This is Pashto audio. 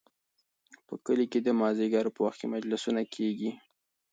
په کلي کې د مازدیګر په وخت کې مجلسونه کیږي.